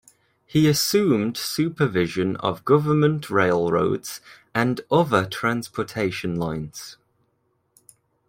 He assumed supervision of government railroads and other transportation lines.